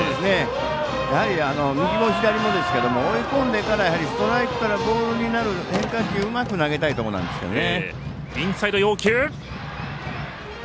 やはり、右も左も追い込んでからストライクからボールになる変化球をうまくなげたいところなんですけどもね。